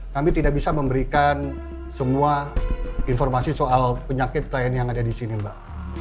kami tidak bisa memberikan semua informasi soal penyakit lain yang ada disini mbak